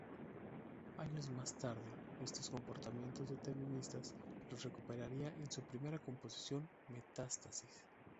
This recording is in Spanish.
Años más tarde estos comportamientos deterministas los recuperaría en su primera composición Metástasis.